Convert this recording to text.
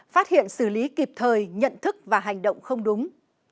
phát hiện xử lý kịp thời nhận thức và hành động không đúng